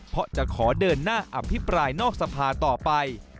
เพราะจะขอเดินหน้าอภิปรายนอกสภาต่อไป